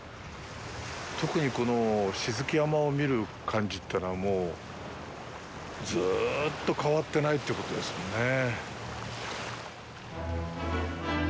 特に、この指月山を見る感じというのは、もう、ずうっと変わってないということですもんねぇ。